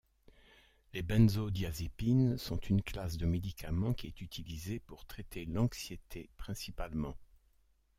Les benzodiazépines sont une classe de médicaments qui est utilisé pour traiter l'anxiété principalement.